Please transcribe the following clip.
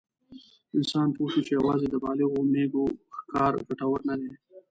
انسان پوه شو چې یواځې د بالغو مېږو ښکار ګټور نه دی.